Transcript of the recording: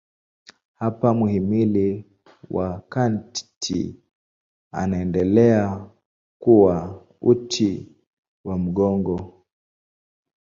Hapa mhimili wa kati unaendelea kuwa uti wa mgongo.